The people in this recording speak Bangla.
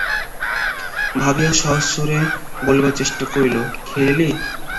ভাবিয়া সহজ সুরে বলিবার চেষ্টা করিল-খেয়ে এলি?